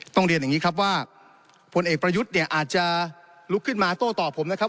เรียนอย่างนี้ครับว่าผลเอกประยุทธ์เนี่ยอาจจะลุกขึ้นมาโต้ตอบผมนะครับ